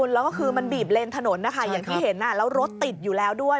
แล้วก็คือมันบีบเลนถนนนะคะอย่างที่เห็นแล้วรถติดอยู่แล้วด้วย